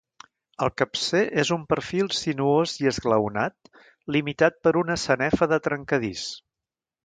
El capcer és de perfil sinuós i esglaonat limitat per una sanefa de trencadís.